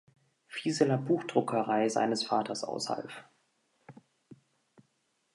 Fieseler Buchdruckerei“ seines Vaters aushalf.